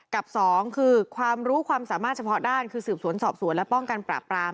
กับสองคือความรู้ความสามารถเฉพาะด้านคือสืบสวนสอบสวนและป้องกันปราบปราม